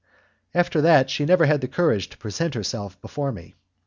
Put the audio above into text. After that she never had the courage to present herself before me.